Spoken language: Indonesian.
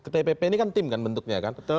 tpp ini kan tim kan bentuknya kan